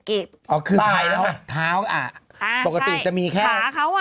อ๋อคือท้าท้าปกติจะมีแค่ขาเขา